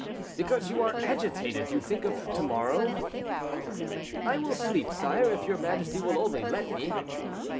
"Because you are agitated; you think of to morrow." "I will sleep, sire, if your majesty will only let me."